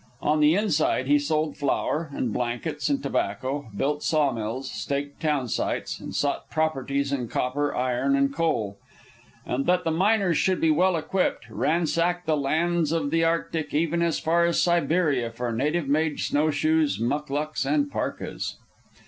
On the Inside he sold flour, and blankets, and tobacco; built saw mills, staked townsites, and sought properties in copper, iron, and coal; and that the miners should be well equipped, ransacked the lands of the Arctic even as far as Siberia for native made snow shoes, muclucs, and parkas.